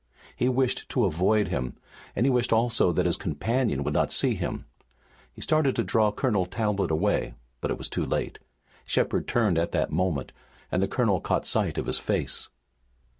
He wished to avoid him, and he wished also that his companion would not see him. He started to draw Colonel Talbot away, but it was too late. Shepard turned at that moment, and the colonel caught sight of his face.